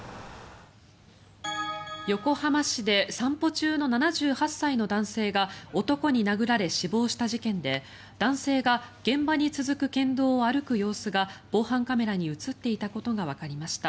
横浜市で散歩中の７８歳の男性が男に殴られ、死亡した事件で男性が現場に続く県道を歩く様子が防犯カメラに映っていたことがわかりました。